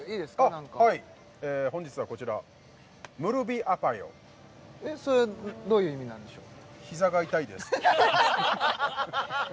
何かはい本日はこちらえっそれはどういう意味なんでしょう？